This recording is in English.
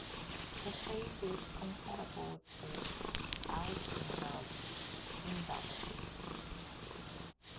The phrase is comparable to "out in the boondocks".